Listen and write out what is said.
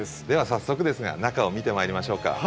では早速ですが中を見てまいりましょうか。